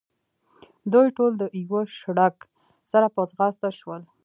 دوی ټول د یوه شړک سره په ځغاسته شول.